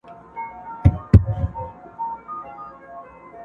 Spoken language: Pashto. در جارېږم مقدسي له رِضوانه ښایسته یې.